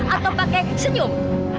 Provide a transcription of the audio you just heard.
atau pakai senyum